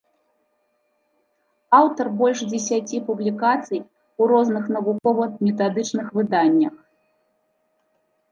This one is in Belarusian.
Аўтар больш дзесяці публікацый у розных навукова-метадычных выданнях.